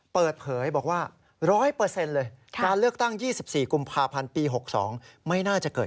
เปิดเผยบอกว่าร้อยเปอร์เซ็นต์เลย